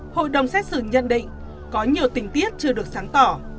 hội đồng xét xử nhận định có nhiều tình tiết chưa được sáng tỏ